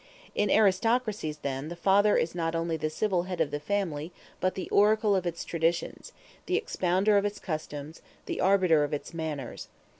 In aristocracies, then, the father is not only the civil head of the family, but the oracle of its traditions, the expounder of its customs, the arbiter of its manners.